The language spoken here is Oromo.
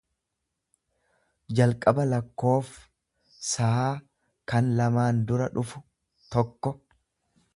jalqaba lakkoof saa kan lamaan dura dhufu, tokko.